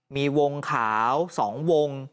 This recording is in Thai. มีวงขาว๒วง